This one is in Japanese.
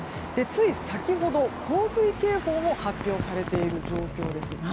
つい先ほど、洪水警報も発表されている状況です。